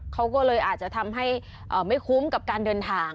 เขาก็เลยอาจจะทำให้ไม่คุ้มกับการเดินทาง